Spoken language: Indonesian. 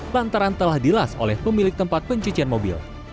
lantaran telah dilas oleh pemilik tempat pencucian mobil